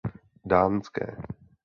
Dánské.